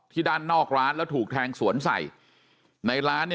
ด้านนอกร้านแล้วถูกแทงสวนใส่ในร้าน